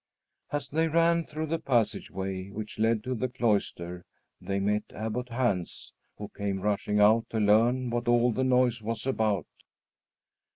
As they ran through the passage way which led to the cloister, they met Abbot Hans, who came rushing out to learn what all this noise was about.